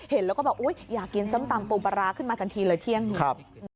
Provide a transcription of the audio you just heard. เห็นแล้วก็บอกอยากกินซ้ำตำโปรปาราขึ้นมากันทีเลยเที่ยงหนึ่ง